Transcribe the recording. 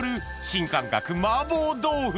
新感覚